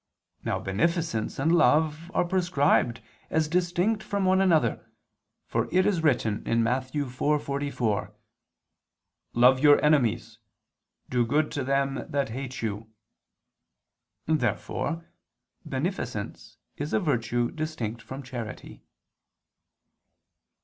Now beneficence and love are prescribed as distinct from one another, for it is written (Matt. 4:44): "Love your enemies, do good to them that hate you." Therefore beneficence is a virtue distinct from charity.